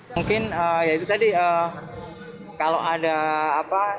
mungkin ya itu tadi kalau ada apa